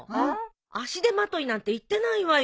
足手まといなんて言ってないわよ。